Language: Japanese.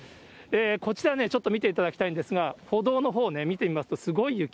こちら、ちょっと見ていただきたいんですが、歩道のほうね、見てみますと、すごい雪。